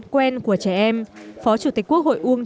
quen của trẻ em phó chủ tịch quốc hội uông